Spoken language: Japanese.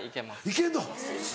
いけんの。